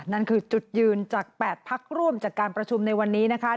นั่นคือจุดยืนจาก๘พักร่วมจากการประชุมในวันนี้นะคะ